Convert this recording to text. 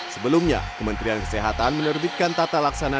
sebelumnya kementerian kesehatan menerbitkan tata laksana